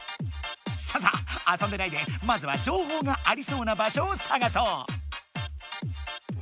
ささっ遊んでないでまずはじょうほうがありそうな場所を探そう！